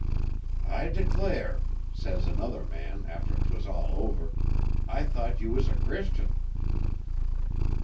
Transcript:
'"I declare," says another man, after 'twas all over, "I thought you was a Christian."